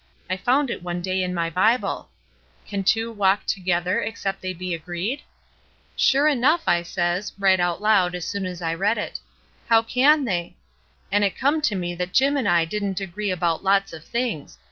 I found it one day in my Bible: 'Can two walk together, except they be agreed?' 'Sure enough!' I says, right out loud, as soon as I read it. ' How can they?' An' it come to me that Jim an' I didn't agree about lots of things.